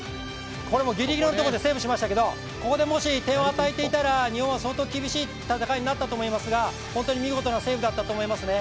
ギリギリのところでセーブしましたけどここでもし点を与えていたら日本は相当厳しい戦いになっていたと思いますが本当に見事なセーブだったと思いますね。